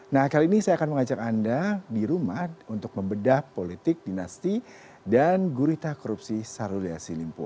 nah kali ini saya akan mengajak anda di rumah untuk membedah politik dinasti dan gurita korupsi sarul yassin limpo